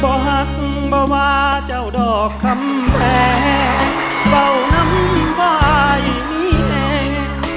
เพราะหักเบาะเจ้าดอกคำแท้เบาะน้ำวายนี้แหง